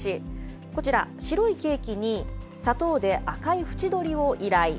こちら、白いケーキに、砂糖で赤い縁取りを依頼。